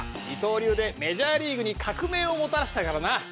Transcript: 二刀流でメジャーリーグに革命をもたらしたからな。